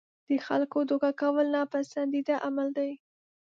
د خلکو دوکه کول ناپسندیده عمل دی.